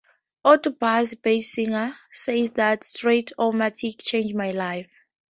Author Buzz Bissinger says that Strat-O-Matic changed my life.